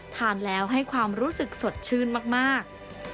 ทานแล้วให้ความรู้สึกสดชื่นมาก